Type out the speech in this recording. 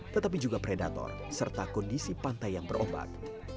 tetapi juga predator serta kondisi pantai yang berobat